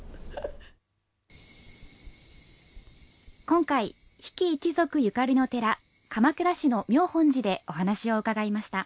今回、比企一族ゆかりの寺、鎌倉市の妙本寺でお話を伺いました。